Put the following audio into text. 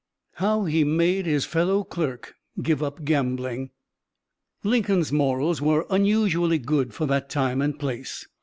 HOW HE MADE HIS FELLOW CLERK GIVE UP GAMBLING Lincoln's morals were unusually good for that time and place.